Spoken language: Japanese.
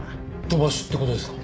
飛ばしって事ですか？